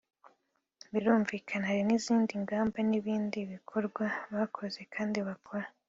Birumvikana hari n’izindi ngamba n’ibindi bikorwa bakoze kandi bakora